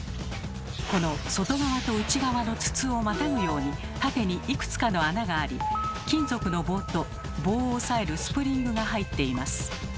この外側と内側の筒をまたぐように縦にいくつかの穴があり金属の棒と棒を押さえるスプリングが入っています。